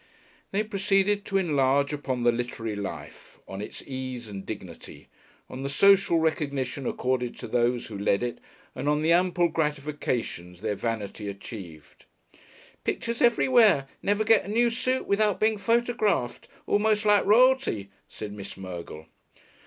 They proceeded to enlarge upon the literary life, on its ease and dignity, on the social recognition accorded to those who led it, and on the ample gratifications their vanity achieved. "Pictures everywhere never get a new suit without being photographed almost like Royalty," said Miss Mergle.